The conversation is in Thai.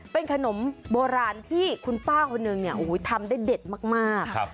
เป็นขนมโบราณที่คุณป้าคนนึงเนี่ยทำได้เด็ดมาก